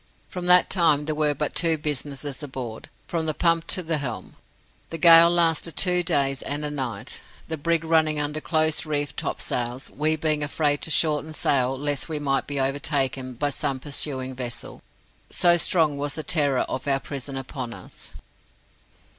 From that time there were but two businesses aboard from the pump to the helm. The gale lasted two days and a night, the brig running under close reefed topsails, we being afraid to shorten sail lest we might be overtaken by some pursuing vessel, so strong was the terror of our prison upon us.